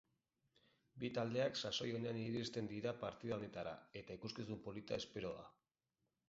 Bi taldeak sasoi onean iristen dira partida honetara eta ikuskizun polita espero da.